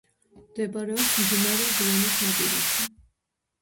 მდებარეობს მდინარე რიონის ნაპირებზე.